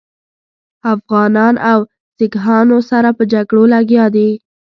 افغانان له سیکهانو سره په جګړو لګیا دي.